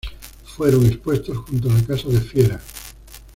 Fueron expuestos junto a la Casa de Fieras.